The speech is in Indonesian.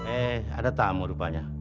ehh ada tamu rupanya